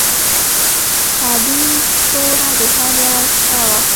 حسابي توره د هر يوه زده وه.